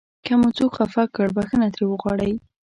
که مو څوک خفه کړ بښنه ترې وغواړئ.